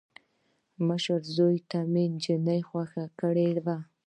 مشر زوي ته مې انجلۍ خوښه کړې وه.